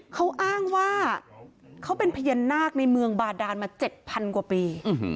เขาอ้างว่าเขาเป็นพญานาคในเมืองบาดานมา๗๐๐กว่าปี